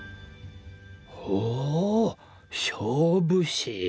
ほお勝負師。